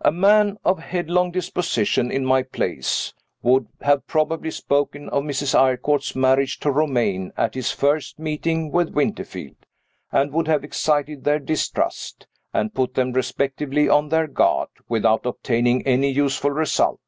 A man of headlong disposition, in my place, would have probably spoken of Miss Eyrecourt's marriage to Romayne at his first meeting with Winterfield, and would have excited their distrust, and put them respectively on their guard, without obtaining any useful result.